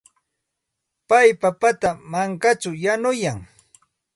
Pay papata mankaćhaw yanuyan.